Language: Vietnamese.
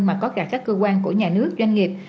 mà có cả các cơ quan của nhà nước doanh nghiệp